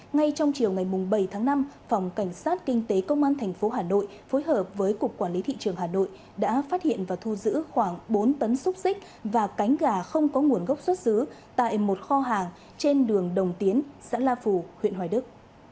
ngay trong chiều ngày bảy tháng năm phòng cảnh sát kinh tế công an tp hà nội phối hợp với cục quản lý thị trường hà nội đã phát hiện và thu giữ khoảng bốn tấn xúc xích và cánh gà không có nguồn gốc xuất xứ tại một kho hàng trên đường đồng tiến xã la phù huyện hoài đức